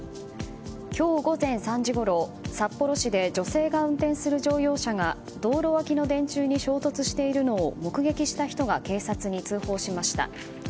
今日午前３時ごろ札幌市で女性が運転する乗用車が道路脇の電柱に衝突しているのを目撃した人が警察に通報しました。